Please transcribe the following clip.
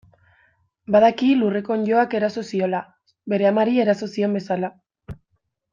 Badaki lurreko onddoak eraso ziola, bere amari eraso zion bezala.